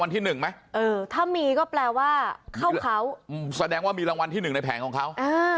ถ้ามีก็แปลว่าเข้าเขาแสดงว่ามีรางวัลที่๑ในแผงของเขา